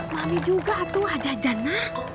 mami juga tuh hajah jannah